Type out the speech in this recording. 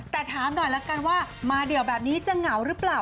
แต่ถามหน่อยละกันว่ามาเดี่ยวแบบนี้จะเหงาหรือเปล่า